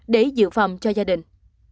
để dự phẩm cho gia đình